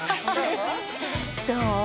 どう？